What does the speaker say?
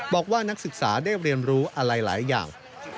บอกว่านักศึกษาได้เรียนรู้อะไรหลายอย่าง